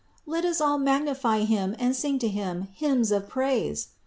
Let us all magnify Him and sing to Him hymns of praise!